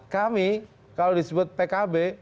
kami kalau disebut pkb